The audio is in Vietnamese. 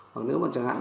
hoặc nếu mà chẳng hạn